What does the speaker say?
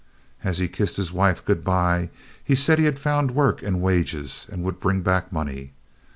As he kissed his wife good by, he said that he had found work and wages, and would bring back money.